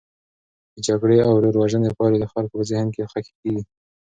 د جګړې او ورور وژنې پایلې د خلکو په ذهن کې خښي کیږي.